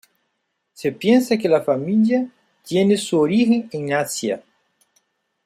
Se piensa que la familia tiene su origen en Asia.